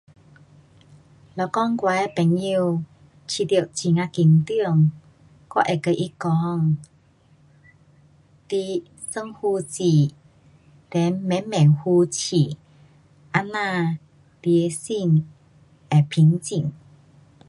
如果我的朋友觉得非常紧张，我会跟他讲：你深呼吸 then 慢慢呼气，这样你的心会平静。